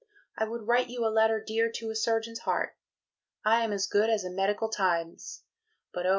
I would write you a letter dear to a surgeon's heart. I am as good as a Medical Times! But oh!